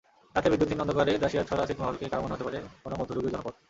রাতে বিদ্যুৎহীন অন্ধকারে দাসিয়ারছড়া ছিটমহলকে কারও মনে হতে পারে কোনো মধ্যযুগীয় জনপদ।